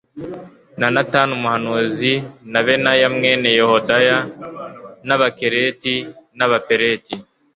na natani umuhanuzi na benaya mwene yehoyada n abakereti n abapeleti